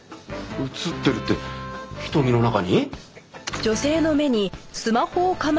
映ってるって瞳の中に？